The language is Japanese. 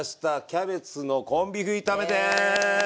キャベツのコンビーフ炒めです。